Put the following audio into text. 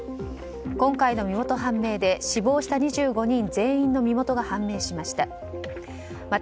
今回の身元判定で死亡した２５人全員の身元が判明しました。